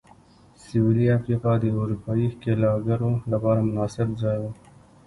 سوېلي افریقا د اروپايي ښکېلاکګرو لپاره مناسب ځای و.